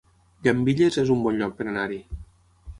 Llambilles es un bon lloc per anar-hi